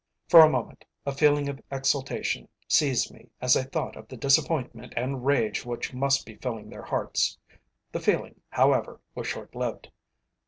For a moment a feeling of exultation seized me as I thought of the disappointment and rage which must be filling their hearts. The feeling, however, was short lived.